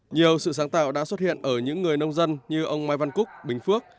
nhiều sự sáng tạo đã xuất hiện ở những người nông dân như ông mai văn cúc bình phước